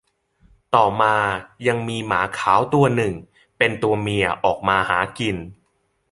ต่อมายังมีหมาขาวตัวหนึ่งเป็นตัวเมียออกมาหากิน